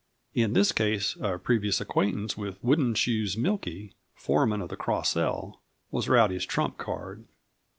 In this case, a previous acquaintance with "Wooden Shoes" Mielke, foreman of the Cross L, was Rowdy's trump card.